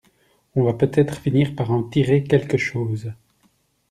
On va peut-être finir par en tirer quelque chose!